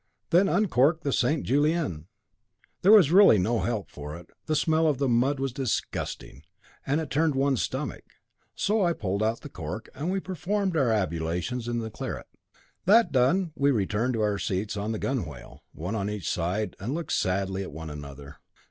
"Then uncork the Saint Julien." There was really no help for it. The smell of the mud was disgusting, and it turned one's stomach. So I pulled out the cork, and we performed our ablutions in the claret. That done, we returned to our seats on the gunwale, one on each side, and looked sadly at one another.